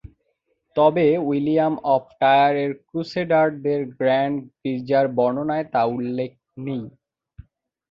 তবে, William of Tyre এর ক্রুসেডারদের গ্র্যান্ড গির্জার বর্ণনায়, তা উল্লেখ নেই।